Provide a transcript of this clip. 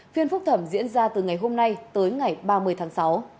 phiên phúc thẩm diễn ra từ ngày hôm nay tới ngày ba mươi tháng sáu